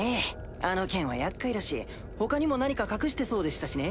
あの剣は厄介だし他にも何か隠してそうでしたしね。